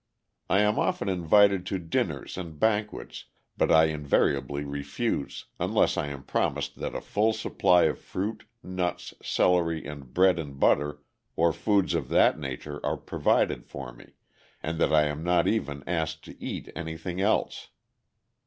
I am often invited to dinners and banquets, but I invariably refuse unless I am promised that a full supply of fruit, nuts, celery, and bread and butter, or foods of that nature are provided for me, and that I am not even asked to eat anything else.